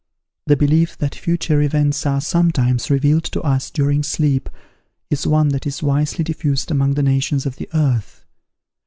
The belief that future events are sometimes revealed to us during sleep, is one that is widely diffused among the nations of the earth.